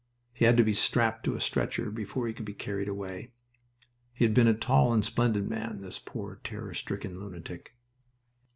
He had to be strapped to a stretcher before he could be carried away. He had been a tall and splendid man, this poor, terror stricken lunatic.